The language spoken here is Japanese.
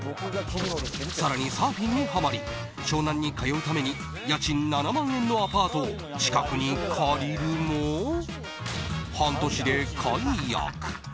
更にサーフィンにはまり湘南に通うために家賃７万円のアパートを近くに借りるも半年で解約。